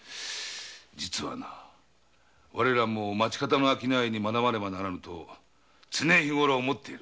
我らも町方の商いに学ばねばならぬと思っていた。